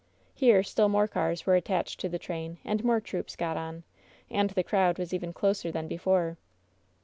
Here still more cars were attached to the train, and more troops got on, and the crowd was even closer than before.